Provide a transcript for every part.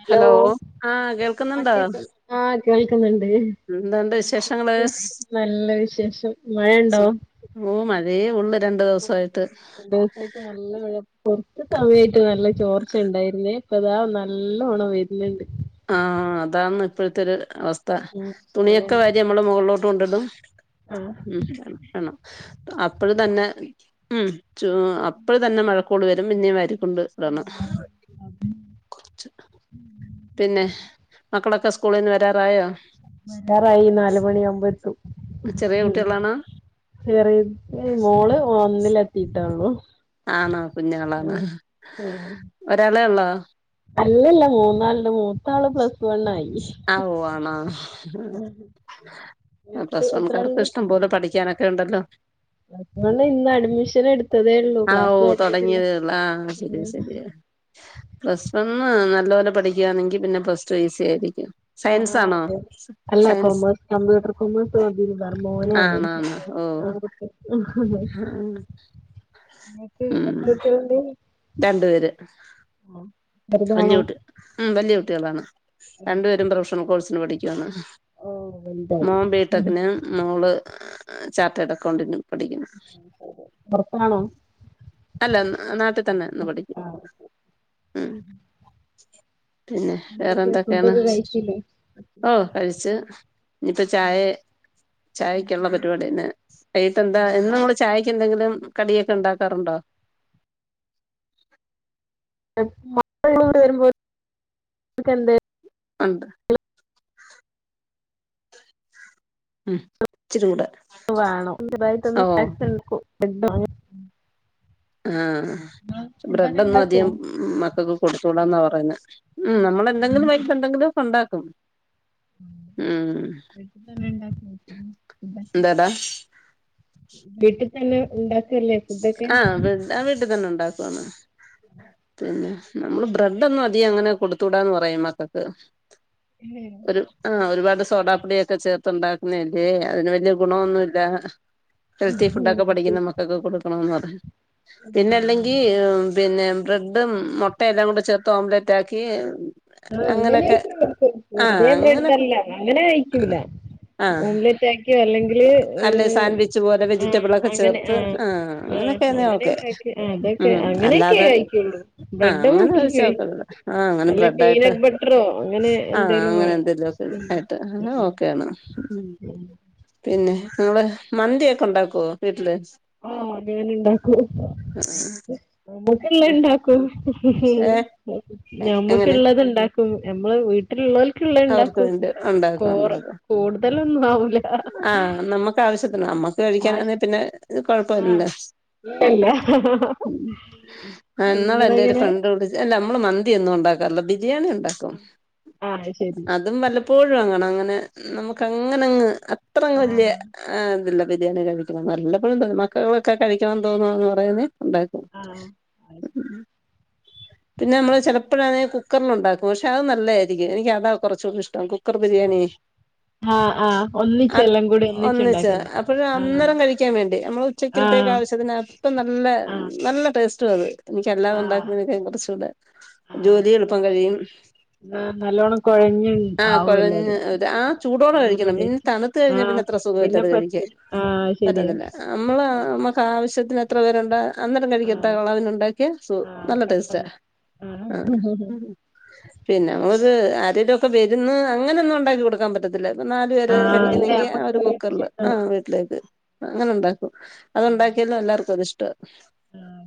Hello ആഹ് ആ കേൾക്കുന്നുണ്ടോ കേക്ക്‌ ആ കേൾക്ക്‌ന്ന് എന്തുണ്ട് വിശേഷങ്ങള് നല്ല വിശേഷം മഴയുണ്ടോ അതെ ഒള്ള [unintelligible] കൊർച്ച് സമയായിട്ട് നല്ല ചോർച്ച ഉണ്ടായിരുന്നേ ഇപ്പ ഇതാ നല്ലോണം വര്ന്ണ്ട് ആ അതാന്ന് ഇപ്പോഴത്തെ ഒരു അവസ്ഥ ഉം തുണിയൊക്കെ അതന്നെ വാരി നമ്മള് മുകളിലോട്ട് കൊണ്ടിടും ആ ഉം [unintelligible] അപ്പളും തന്നെ ഉം ചു അപ്പഴ തന്നെ മഴക്കോള് വരും പിന്നേ വാരി [unintelligible] പിന്നെ മക്കളൊക്കെ സ്കൂളിന്ന് വരാറായോ വരാറായി നാല് മണി ആവുമ്പോ എത്തും ചെറിയ കുട്ടികളാണോ ചെറിയ മോള് ഒന്നില് എത്തിട്ടോള്ളു ആണോ കുഞ്ഞളാണ് ആ ഒരാളേ ഒള്ളോ അല്ലല്ല മൂന്നാള് ഇണ്ട് മൂന്നാ ആവോ ആണോ നിനക്ക് പ്ലസ് എത്ര വൺകാർക്ക് ആളുണ്ട് ഇഷ്ടം പോലെ പഠിക്കാനൊക്കെ ഇണ്ടല്ലോ പ്ലസ് വൺ ഇന്ന് അഡ്മിഷൻ എടുത്തതേ ഉള്ളൂ ആ ക്ലാസ് ഓ തുടങ്ങിയിട്ടില്ല തോടങ്ങിയതെ ഒള്ളൂ ആ ശരി ഉം ശരിയാ പ്ലസ് വണ്ണ് നല്ല പോലെ പഠിക്കാണെങ്കി പിന്നെ പ്ലസ് ടു ഈസി ആയിരിക്കും ആ സയൻസ് ആണോ അതെ അല്ല സയൻസ് കൊമേഴ്സ് കമ്പ്യൂട്ടർ കൊമേഴ്സ്‌ മതിരി ആണാണ് ഓ [unintelligible] [unintelligible] ഇങ്ങക്ക് എത്ര കുട്ടികള്ണ്ട് രണ്ട് പേര് വല്യ ചെറുതാണോ കുട്ടി ഉം വല്യ കുട്ടികളാണ് ഉം രണ്ടു പേരും പ്രൊഫഷണൽ കോഴ്സിന് പഠിക്കുവാണ് ഓഹ് വലുതായി മോം ബീടെക്ക്‌ന് മോള് ചാർട്ടേഡ് അക്കൗണ്ടിനും പോർത്താണ് അല്ല നാട്ടിൽ തന്നെ ന്ന് പഠിക്കും ആഹ് ഉം പിന്നെ എന്തൊക്കെ വേറെന്തൊക്കെയാണ് ഫുഡൊക്കെ കഴിച്ചില്ലേ ഓ കഴിച്ച് ഇഞ്പ്പ ചായെ ചായക്കുള്ള പരിപാടിന്നെ വൈകിട്ടന്താ എന്നും ചായ എന്തെങ്കിലും കടിയൊക്കെ ഇണ്ടാക്കാറുണ്ടോ? [unintelligible] ഒണ്ട് ഉം ഇച്ചിരൂടെ വേണൊം [unintelligible] ആ ബ്രെഡൊന്നും അധികം ഉണ്ടാക്കുവോ മക്കക്ക് കൊടുത്തൂടാന്നാ പറയുന്നേ ഉം നമ്മളെന്തെങ്കിലും വൈകിട്ടെന്തെങ്കിലും ക്കെ ഒണ്ടാക്കും [unintelligible] എന്താടാ വീട്ടി തന്നെ ഉണ്ട് ആ അവിടെ വീട്ടി തന്നെ ഒണ്ടാക്കുവാന്നോ പിന്നെ നമ്മള് ബ്രെഡൊന്നും അധികം അങ്ങനെ കൊടുത്തൂടാന്ന് പറയും മക്കക്ക് ഒരു ആ ഒരുപാട് സോഡാപ്പൊടിയൊക്കെ ചേർത്ത് ഉണ്ടാക്കുന്നയല്ലേ അതിന് വല്യ ഗുണൊന്നുല്ല ഹെൽത്തി ഉം ഫുഡോക്കെ പഠിക്കുന്ന ശരി മക്കക്ക്‌ കൊടുക്കണൊന്ന് പറഞ്ഞു പിന്നെ അല്ലെങ്കി പിന്നെ ബ്രെഡും മൊട്ട എല്ലാംകൂടെ ചേർത്ത് ഓംലെറ്റാക്കി ആ അങ്ങനെ ഒക്കെ ആക്കും വെറുതെ അങ്ങനൊക്കെ ബ്രെഡല്ല അങ്ങനെ കഴിക്കൂല ആഹ് ഓംലെറ്റാക്കിയോ അല്ലെങ്കില് അല്ലെ ഹ് സാൻഡ്വിച്ച് പോലെ ആ വെജിറ്റബിൾ ഒക്കെ അങ്ങനെ ചേർത്ത് ആ ആ ആ അങ്ങനൊക്കാന്നെ ഓക്കെ അങ്ങനെയൊക്കെ ആ അതൊക്കെ ഉം അങ്ങനെയൊക്കെ അല്ലാതെ കഴിക്കുള്ളൂ ആ ബ്രെഡ് അങ്ങനെ മാത്രമേ ഒഴിച്ച കൊ കഴിക്കൂ ആ അങ്ങനെ ബ്ര അല്ലെ ണ്ടായിട്ട് പീനട്ട് ബട്ടറോ അങ്ങനെ ആ എന്തേലും അങ്ങനെ വേണം എന്തെലോക്കെ ഉം ആയിട്ട് അങ്ങനെ ഉം ഓക്കെ ആണ് [inaudible] പിന്നെ നിങ്ങള് മന്തിയൊക്കെ ഉണ്ടാക്കോ വീട്ട്ല് ആഹ [unintelligible] ഇണ്ടാക്കൂ നമ്മക്കല്ലെ ഇണ്ടാക്കൂ. ഏ എങ്ങനെ ഞമ്മക്ക്ള്ളത് ഇണ്ടാക്കും ഞമ്മള് വീട്ടിലുള്ള അവർക്ക് ക്ക്ള്ളണ്ടാക്കും വേണ്ടി ഉണ്ടാക്കും കോറ് ഉണ്ടാക്കും കൂടുതലൊന്നും ആവൂല. [unintelligible] ആവശ്യ ആഹ് ഇല്ലല്ല എന്നാള് എന്റെ ഒരു നിങ്ങളെങ്ങനെ ഫ്രണ്ട് [unintelligible] നമ്മള് മന്തി ഒന്നും ഉണ്ടാക്കും അല്ല ബിരിയാണി ഉണ്ടാക്കും ആഹ് ശരി അതും വല്ലപ്പോഴും. അങ്ങനെ നമുക്കങ്ങനങ്ങ് അത്ര അങ്ങ് വല്യ ആഹ് ഇ [unintelligible] ആഹ അ. പിന്നെ നമ്മള് ചിലപ്പോഴണെ കുക്കറിൽ ഉണ്ടാക്കും പക്ഷെ അത് നല്ലതായിരിക്കും. എനിക്ക് അതാ കൊർച്ചൂടി ഇഷ്ടം കുക്കർ ബിരിയാണി. ആഹ് ആഹ് ഒന്നിച്ച് അ എല്ലാം കൂടി ഒന്നിച്ച് ഒന്നിച്ചുണ്ടാക്കുന്നെ അപ്പോഴ് ആഹ് അന്നേരം കഴിക്കാൻ വേണ്ടി നമ്മൾ ഉച്ചക്കത്തേ ആഹ് [unintelligible] നല്ല ആഹ് നല്ല ടേസ്റ്റ്. [unintelligible] ആഹ് കുറച്ചൂടെ ആഹ് ജോലി എളുപ്പം ആഹ് കഴിയും. നല്ലോണം കൊഴഞ്ഞ് ആഹ ആവുല്ലോ അത് കുഴഞ്ഞ് ആ ചൂടോടെ നല്ല കഴിക്കണം പിന്നെ ടേസ്റ്റ് തണുത്ത കഴിഞ്ഞാൽ ആഹ് പിന്നെ അത്ര സുഖമ പിന്നെ ഇല്ലത് പറ്റും ആഹ് ശരിയാ പറ്റത്തില്ല നമ്മള് നമക്ക് ആവശ്യത്തിന് എത്ര പേരുണ്ട അന്നേരം ആഹ് [unintelligible] ഉണ്ടാക്കിയ സു ആഹ് നല്ല ടേസ്റ്റാ. പെട്ടെന്ന് ആഹ് പിന്നെ ആരെലും ഒക്കെ വരുന്ന് അങ്ങന ഒന്നും ഒണ്ടാക്കി കൊട്ക്കാൻ പറ്റത്തില്ല. നാലു പേര് ആഹ് അല്ലെ കഴിക്കുന്നെങ്കി ആ നമ്മക്ക് ഒരു വീട്ടില് കുക്കർല് ആ ആഹ് വീട്ട്ലേക്ക് അങ്ങനെ ഉണ്ട ക്കും. അതുണ്ടാക്കിയാലും എല്ലാർക്കും അത് ഇഷ്ട. ആഹ്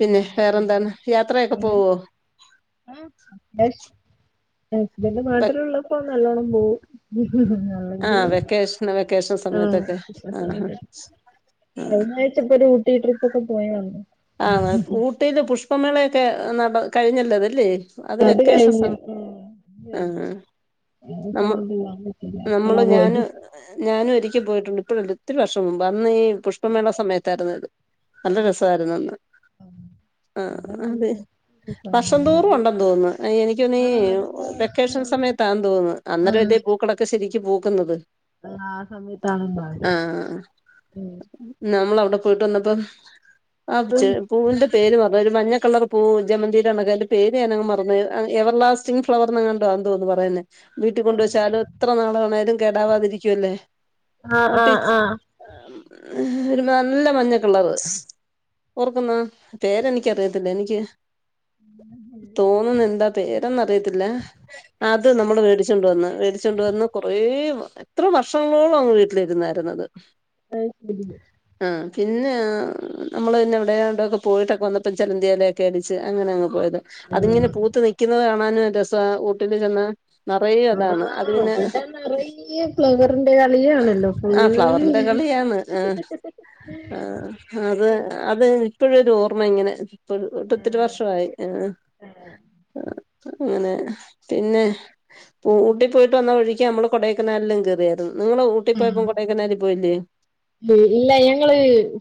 പിന്നെ വേറെന്താണ് യാത്രയൊക്കെ വേറെ പോവോ? [unintelligible] ഹസ്ബൻഡ് നാട്ടിലുള്ളപ്പോ നല്ലോണ്ണം പോവും. ആഹ് [inaudible] വെക്കേഷന് വെക്കേഷൻ സമയത്തൊക്കെ ആഹ് കഴിഞ്ഞാഴ്ച പ്പൊ ഒരു ഊട്ടി ട്രിപ്പൊക്കെ പോയ് വന്ന് ആഹ ഊട്ടയില് പുഷ്പമേളയൊക്കെ നട കഴിഞ്ഞല്ലതലല്ലേ? അത് വെക്കേഷൻ കഴിഞ്ഞു സമയം ആഹ് അത് ആഹ. കഴിഞ്ഞു ആ നമ്മ സമയത്ത് പോവാൻ പറ്റില്ല നമ്മള് അപ്പളാ ഞാന് പോയത് ഞാനും ഒരിക്കെ പോയിട്ടുണ്ട് ഇപ്പോഴല്ല ഒത്തിരി വർഷം മുമ്പ് അന്ന് ഈ പുഷ്പമേള സമയത്തായിരുന്നു നല്ല രസമായിരുന്നു അന്ന്. ആഹ് അവിടെ നല്ല അതെ. വർഷം രസാണല്ലേ തോറും ഉണ്ടെന്ന് തോന്നുന്ന്. എനിക്കൊന്നീ ആഹ് അതെല്ലാ വർഷവും വെക്കേഷൻ സമയത്താന്ന് തോന്ന്ന്ന് ആഹ് അന്നേരം പൂക്കളൊക്കെ ശരിക്ക് പൂക്കുന്നത്. ആഹ് ആ സമയത്താണ് ഉണ്ടാവല് ആഹ് നമ്മളവിടെ പോയിട്ട് വന്നപ്പോ ആ ഉം പൂവിന്റെ പേരും ഒരു മഞ്ഞ. കളർ പൂ ജമന്തിടെണക്ക് അയ്ന്റെ പേര് ഞാനങ്ങ് മറന്ന് പോയി. എവർ ലാസ്റ്റിംഗ് ഫ്ളവർന്നങ്ങണ്ടോ ആണ് തോന്നുന്നു പറയുന്നെ. വീട്ടി കൊണ്ട് വെച്ചാലും എത്ര നാളാേണോലും കേടാവാതിരിക്കുവല്ലേ. ആഹ ഊട്ടി ആഹ ആഹ. ഒരു നല്ല മഞ്ഞ [unintelligible] ഓർക്കുന്നാ പേരെനിക്കറിയത്തില്ല എനിക്ക്. തോന്നുന്ന് എന്താ പേരെന്ന് അറിയത്തില്ല അ ത്ത് നമ്മള് വേണ്ടിച്ചോണ്ട് വന്ന് വേണ്ടിച്ചോണ്ട് വന്ന് കൊറേ എത്ര വർഷങ്ങളോളം അങ്ങ് വീട്ടിലിരുന്നായിരുന്നത് [inaudible] ആ പിന്നെ നമ്മള് പിന്നെ അവിടെയിവിടെ പോയിട്ടൊക്കെ വന്നപ്പം ചെലന്തിയാലൊക്കെ അടിച്ച് അങ്ങനെ അങ്ങ് പോയത്. ആഹ് അതിങ്ങനെ പൂത്ത് നിക്കുന്നത് കാണാനും ഒരു രസാ ഊട്ടില് ചെന്നാ നിറയെ ആ അതാണ് അത് പിന്നെ അവടെ നെറയ്യെ ഫ്ലവറിന്റെ കളിയാണല്ലോ ആ ഫുള്ള് ഫ്ലവറിന്റെ കളിയാണ് ആ ആ അതേ അ അതെ ഇപ്പഴൊരോർമ്മ ഇങ്ങനെ ട്ട് ഒത്തിരി വർഷമായി അങ്ങനെ. പിന്നെ ഊട്ടി പോയിട്ട് വന്ന വഴിക് നമ്മള് കൊടേക്കനാലിലും കെറിയാരുന്ന് നിങ്ങള് ഉം ഊട്ടിപ്പോയപ്പം കൊടേക്കനാലി പോയില്ലേ. [unintelligible] ഇല്ല ഞങ്ങള്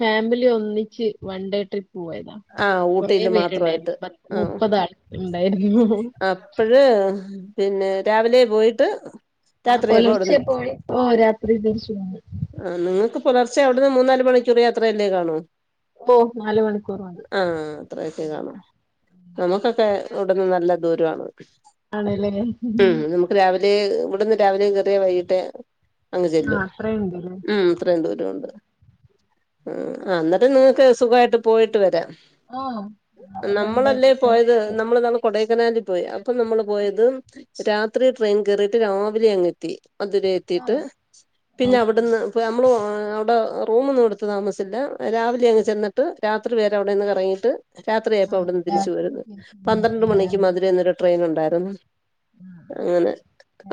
ഫാമിലി ഒന്നിച്ച് വൺ ഡേ ട്രിപ് പോയതാ, ആഹ് കൊറെ ഊട്ടിയില് മാത്രമായിട്ട് പേരിണ്ടായിരുന്നു പത് ആഹ് മുപ്പതാൾ മ് അപ്പഴ് പിന്നെ രാവിലെ പോയിട്ട് ആഹ് രാത്രിയായപ്പോ പുലർച്ചെ അവിടുന്ന് പോയി ഓ രാത്രി തിരിച്ച് വന്ന്. ആഹ് നിങ്ങൾക്ക് പുലർച്ചെ അവിടുന്ന് മൂന്നാല് മണിക്കൂറ് യാത്രയല്ലേ കാണൂ. ഓ നാല് മണിക്കൂർ മതി ആഹ് അത്രയൊക്കെ കാണും. നമുക്കൊക്കെ ഇവ്ട്ന്ന് നല്ല ദൂരാണ്. ആണ് ല്ലേ. ലേ ഇവടുന്ന് രാവിലെ കേറിയാ വൈകട്ടേ അങ്ങ് ചെല്ലു ആ അത്രയുണ്ടല്ലേ ഉം അത്രയുംദൂരം. രോണ്ട് അന്നിട്ട് നിങ്ങക്ക് സുഖായിട്ട് പോയിട്ട് വെരാം. ആഹ്അത് വൺണ്ടേ ട്രിപ്പ് നമ്മളന്നാള് കൊടൈക്കനാലിൽ പോയി, അപ്പം നമ്മള് പോയത് രാത്രി ട്രെയിൻ കേറീട്ട് രാവിലെ അങ്ങെത്തി. മധുരൈ ആ എത്തീട്ട് ആ പിന്നെ ശരി. അവിടുന്ന് പ്പോ നമ്മള് അവിടെ റൂമൊന്നും എടുത്ത് താമസ്ച്ചില്ലാ, രാവിലെ അങ്ങ് ചെന്നിട്ട് രാത്രി വെരേ അവിടെ നിന്ന് കറങ്ങിയിട്ട് ആ, രാത്രിയായപ്പോ അവിടുന്ന് തിരിച്ചു രാത്രി വരുന്നു, തിരിച്ചു പോന്നു പന്ത്രണ്ട് ആ മണിക്ക് രാവിലെ മധുരേന്ന് ഒരു ട്രെയിൻ ഉണ്ടായിരുന്നു. ആ, അങ്ങനെ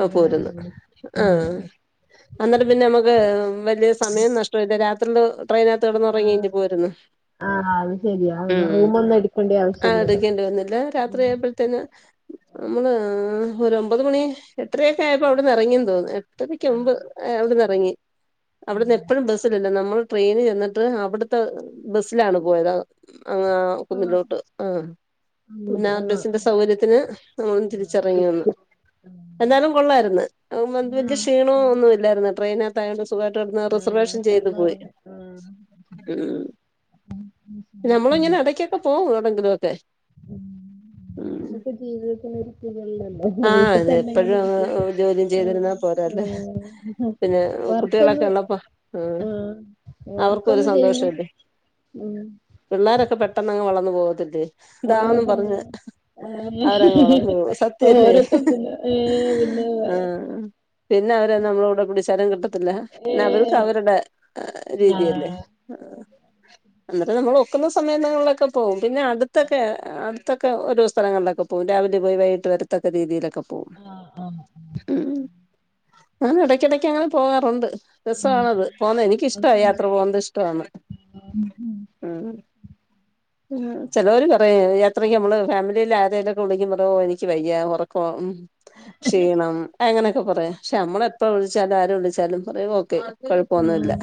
ആ ആവുമ്പോ പോരുന്നു ഇവിടെ എത്തി ആ ആഹ് അന്ന്ട്ട് പിന്നെ നമ്മക്ക് വല്യ സമയം നഷ്ടവില്ല രാത്രില് ട്രൈയിനാത്ത് കെടന്ന് ആ ഒറങ്ങിങ്ങ് പോരുന്നു ആ, അത് ശരിയാ പിന്നെ ഉം റൂമൊന്നും എടുക്കേണ്ട അത് ആവശ്യമില്ലല്ലോ എന്നിട്ട് രാത്രി ഉം ആയ്പഴ്ത്തേന് നമ്മള്.. ആ ഒരു ഒമ്പത് മണി എട്ടരയൊക്കെ ആയപ്പോ അവിടെന്ന് ഇറങ്ങിയെന്ന് തോന്നുന്നു എട്ടരക്ക് ആ മുൻപ് റങ്ങി ആ അവിടുന്ന് എപ്പോഴും ശരി. ബസ്സില്ലല്ലോ നമ്മൾ ട്രെയിന് ചെന്നിട്ട് അവിടുത്തെ ബസ്സിലാണ് പോയത്, ആ ആഹ് ആ, കുന്നിലോട്ട് ആഹ് പിന്നെ ആ ബസിന്റെ സൗകര്യത്തിന് നമ്മളന്ന് തിരിച്ചെറങ്ങി വന്ന്. എന്നാലും കൊള്ളായ്രുന്നു ഔ ആ, വല്യ ക്ഷീണോ ഒന്നുമില്ലായിരുന്നു ട്രെയിനകത്തായൊണ്ട് സുഖമായിട്ട് കെട്ന്ന് ആ, റിസർവേഷൻ ചെയ്തു പോയി കിടന്നുറങ്ങി ആ, ഉം... വിഷമിക്കുന്നെ. നമ്മളിങ്ങനെ എടക്കൊക്കെ പോവും എവിടെങ്കിലും ഒക്കെ. ഉം. ഉം നമുക്ക് ജീവിതത്തിന് ഒരിക്കലല്ലോ ആ വീട്ടിൽ അതെ തന്നെ ഇങ്ങനെ എപ്പോഴും ഇരിക്കുന്നു ജോലിയും ചെയ്തിരുന്നാ പോരാ. ല്ലേ പിന്നെ കുട്ടികളൊക്കെ വർക്കൊന്ന് ഒള്ളപ്പോ അവർക്കും ഒരു വർക്കൊന്ന് സന്തോഷം. ചെയ്യുന്നു ഉം. പിള്ളാരൊക്കെ പെട്ടെന്ന് അങ്ങ് വളന്നു പോവത്തില്ലേ? ഓരോ ഇതാളീ പറഞ്ഞ പിന്നെ ആ, അവരങ്ങളല്ലേ സത്യയല്ലേ ഓരൊക്കെ പിന്നെ ഏ, പിന്നെ ആഹ് പിന്നെ അവരെ നമ്മള കൂടെ പിടിച്ചാലും കിട്ടത്തില്ല ഏ, പിന്ന അവർക്ക് അവരുടെ ആ, രീതിയല്ലേ അന്നേരം നമ്മൾ ഒക്കുന്ന സമയങ്ങളിലൊക്കെ പോകും പിന്നെ അടുത്ത ഒക്കെ അടുത്തൊക്കെഓോ സ്ഥലങ്ങളിലൊക്കെ പോവും രാവിലെ പോയി വൈകട്ട് വരത്തൊക്ക രീതിയിലൊക്കെ പോകും ആഹ് ആഹ് ഞാൻ ഇടക്കിടക്ക് അങ്ങനെ പോകാറുണ്ട് രസണത് പോകുന്നത് എനിക്കിഷ്ട അതന്നെ യാത്ര പോകത് ഇഷ്ടമാണ് ഉം ഉം ചലോര് പ അത് രാത്രിക്ക് നമ്മള് ഫാമിലീല് ആരേലൊക്കെ ഉണ്ടെങ്കിൽ ഓഹ് എനിക്ക് വയ്യ ഉറക്കവാ ക്ഷീണം അങ്ങനെയൊക്കെ പറയാം പക്ഷെ നമ്മള എപ്പ വിളിച്ചാലും ആരും വിളിച്ചാലും പറയും ഓക്കെ കൊഴപ്പൊന്നും ല്ല ആഹ്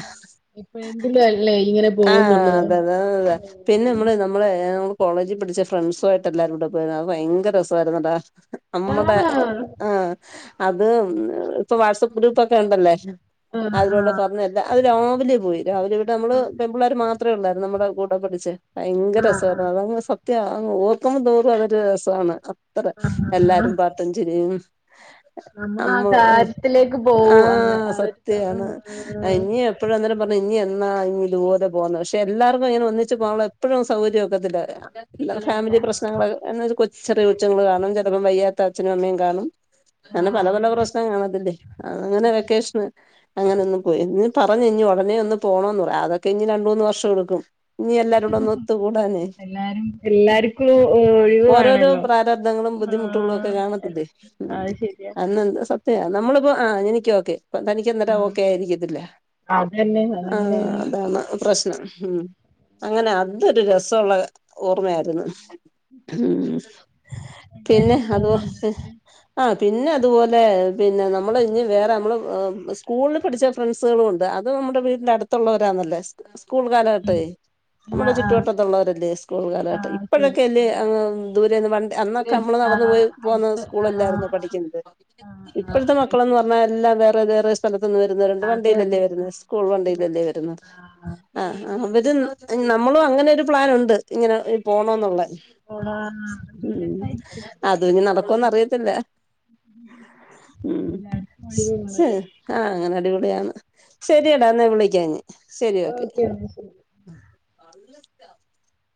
ഇപ്പോഴെങ്കിലും അല്ലേ ഇങ്ങനെ ആഹ് പോകുന്നുള്ളൂ അതെതെ അതെ പിന്നെ നമ്മള് നമ്മള കോളേജിൽ പിഠിച്ച ഫ്രണ്ട്സ ആയിട്ട് എല്ലാരുംൂടെ പോയിരുന്നു അത് ഭയങ്കര രസമായിരുന്നുുന്നല്ലോ നമ്മുടെ ആഹ് ആഹ് ആഹ് അത് ഇപ്പൊ വാട്സപ്പ് ഗ്രൂപ്പൊക്കെ ഉണ്ടല്ലോ ആഹ് അതിലൂടെ പറഞ്ഞതല്ല അത് രാവിലെ പോയി രാവിലെ ഇവിടെ നമ്മള് പെൺപിള്ളേർ മാത്രം അത്രള്ളായിരുന്നു നമ്മുടെ കൂടെ പഠിച്ചേ ഭയങ്കര ആഹ് രസാ ആഹ് അതങ്ങ് സത്യം അങ് ഓർക്കുമ്പോ തോറും അതൊരു രസമാണ് അത്ര ആഹ് എല്ലാരും പാട്ടഞ് ചരിയും നമ്മൾ ആ അമ്മോ എർ കാര്യത്തിലേക്ക് പോവും അന്ന് ആഹ ആ ഒരു സ- ആ, സത്യാണ് ഇനി എപ്പഴു അന്നേരം പറഞ്ഞ ഇനി എന്നാ ഇനി ഇതുപോലെ പോന്നെ പക്ഷെ എല്ലാർക്കും ഇങ്ങനെ ഒന്നിച്ച് പോവുമ്പോ എപ്പോഴും സൗകര്യം ഒക്കത്തില്ല ല്ലറ ഇല്ല ഇല്ല ഫാമിലി പ്രശ്നങ്ങളൾ എന്ന കൊച്ച് ചെറിയ കൊച്ച്ങ്ങള് കാണും ചെലപ്പം വയ്യാത്ത അച്ഛനും അമ്മയും കാണും അങ്ങനെ ആഹ് പല പല അതന്നെ പ്രശ്നം കാണത്തില്ലേ ആ അത് അങ്ങനെ ശരി വെക്കേഷന് അങ്ങനെ ഒന്ന് പോയി ഇന്ന് പറഞ്ഞിനി ഒടനെ ഒന്ന് പോണന്ന് പറ അതൊക്കെ ഇനി രണ്ടൂന്ന് വർഷം എടുക്കും ഇനീ എല്ലാരൂടൊന്നൊത്തു കൂടാനെ എല്ലാരും എല്ലാർക്കും ഒഴിവ് ഓരോരോ വേണല്ലോ പ്രാരബ്ധങ്ങളും ബുദ്ധിമുട്ടുകളും ഒക്കെ ആഹ് കാണത്തില്ലേ ഉ അത് ശരിയാ അന്നെന്താ സത്യ നമ്മളിപ്പോ ആ എനിക്ക് ഓക്കെ പ്പ തനിക്കന്നേരം ആഹ് ഓക്കെ ആയിരിക്കത്തില്ല അതന്നെ ആഹ അതങ്ങനെയാണ് അതാണ് പ്രശ്നം ഉം അങ്ങനെ അതൊരു രസ്വള്ള ഓർമ്മയായിരുന്ന് ഉം അങ്ങനെയൊക്കെ പിന്നെ അതോ പോണം എ എന്നാല് ആ പിന്നെ അതുപോലെ പിന്നെ നമ്മൾ ഇഞ് വേറെ അമ്മൾ സ്കൂളിൽ പഠിച്ച ഫ്രണ്ട്സുകളും ഉണ്ട് അതും നമ്മുടെ വീട്ടിന്റെ അടുത്തുള്ളവരാന്നല്ലേ സ് സ്കൂൾ കാലഘട്ടേ നമ്മുടെ ആഹ് ആഹ് ചുറ്റുവട്ടത്തുള്ളവരല്ലേ സ് സ്കൂൾ കാലഘട്ടം ആഹ് ശരി ഇപ്പോഴൊക്കെ അല്ല ആഹ് അങ്ങ് ദൂരന്ന് വണ്ടി ഒരു അന്നൊക്കെ നമ്മൾള് നടന്നു പോയി ആഹ് പോകുന്ന അടുത്ത് ആഹ് സ്കൂളല്ലായിരുന്നോ [unintelligible] ആഹ് ആഹ് ഇപ്പോഴത്തെ അത് മക്കളെന്ന് ശരി പറഞ്ഞാ എല്ലാ [unintelligible] വെവ്വേറെ സ്ഥലത്ത്ന്ന് വരുന്നെ രണ്ട് അതെ വണ്ടീലല്ലേ അതെ വരുന്നേ സ്കൂൾ ആഹ് വണ്ടീലല്ലേ വര്ന്നേ ആ ആ ഇത് നമ്മളും അങ്ങനെ ഒരു പ്ലാൻ ഉണ്ട് ഇങ്ങനെ പോണോന്നുള്ളെ ഉ അതുനി നടക്കോന്നറിയത്തില്ല ഉ ശ് വണ്ടിയിലാണ് ആഹ അങ്ങനെ അടിപൊളി ശരിടാ എന്നാ വിളിക്ക എനി ശരി ഓക്കെ ആഹ് [unintelligible]